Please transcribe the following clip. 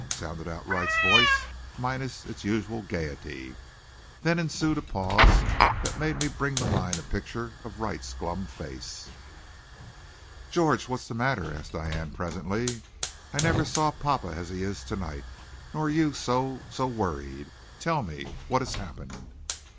sounded out Wright's voice, minus its usual gaiety. Then ensued a pause that made me bring to mind a picture of Wright's glum face. "George, what's the matter?" asked Diane presently. "I never saw papa as he is to night, nor you so so worried. Tell me, what has happened?"